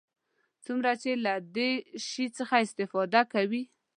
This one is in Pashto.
څومره چې له دې شي څخه استفاده کوي.